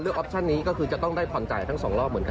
คือถ้าที่คุณเลือกบังจัยเกี่ยวกับวัตรนะครับ